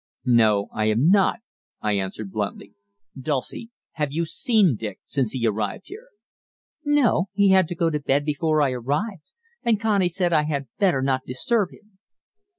"No, I am not," I answered bluntly. "Dulcie, have you seen Dick since he arrived here?" "No, he had gone to bed before I arrived, and Connie said I had better not disturb him."